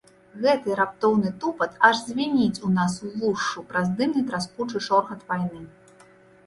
Гэты раптоўны тупат аж звініць у нас увушшу праз дымны траскучы шоргат вайны.